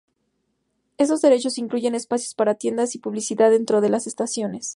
Estos derechos incluyen espacio para tiendas y publicidad dentro de las estaciones.